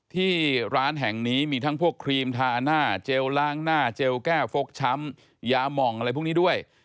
ที่ร้านแห่งนี้มีทั้งพวกครีมทาหน้าเจลล้างหน้าเจลแก้ฟกช้ำยาหม่องอะไรพวกนี้ด้วย